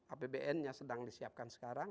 apbn yang sedang disiapkan sekarang